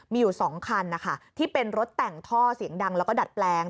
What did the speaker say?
มีอยู่๒คันนะคะที่เป็นรถแต่งท่อเสียงดังแล้วก็ดัดแปลง